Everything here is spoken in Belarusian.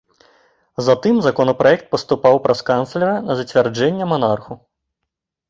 Затым законапраект паступаў праз канцлера на зацвярджэнне манарху.